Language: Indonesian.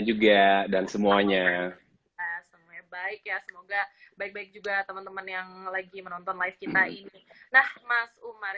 juga dan semuanya semuanya baik ya semoga baik baik juga teman teman yang lagi menonton live kita ini nah mas umar